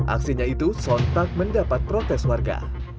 aksinya itu sontak mendapat protes warga